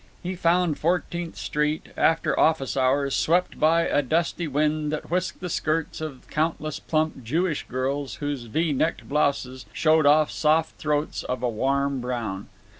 He found Fourteenth Street, after office hours, swept by a dusty wind that whisked the skirts of countless plump Jewish girls, whose V necked blouses showed soft throats of a warm brown.